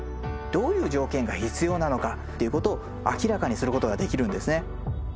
どういう条件が必要なのかっていうことを明らかにすることができるんですね。